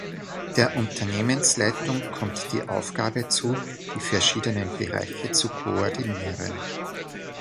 Der Unternehmensleitung kommt die Aufgabe zu, die verschiedenen Bereiche zu koordinieren.